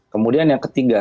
kemudian yang ketiga